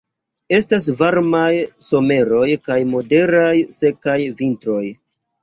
Estas varmaj someroj kaj moderaj sekaj vintroj.